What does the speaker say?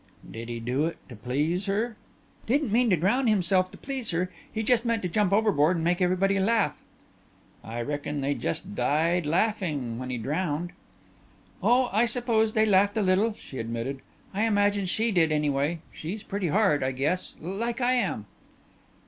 "Did he do it to please her?" "Didn't mean drown himself to please her. He just meant to jump overboard and make everybody laugh." "I reckin they just died laughin' when he drowned." "Oh, I suppose they laughed a little," she admitted. "I imagine she did, anyway. She's pretty hard, I guess like I am."